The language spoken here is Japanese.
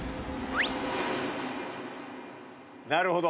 なるほど。